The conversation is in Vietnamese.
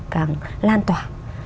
càng lan tỏa